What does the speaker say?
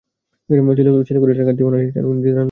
চেলা করে এটার কাঠ দিয়ে অনায়াসে চার দিনের রান্নার কাজ চলে যাবে।